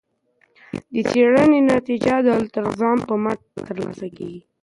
د څیړنې نتیجه د الالتزام په مټ ترلاسه کیږي.